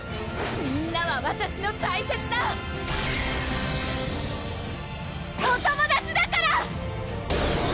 みんなはわたしの大切なお友達だから！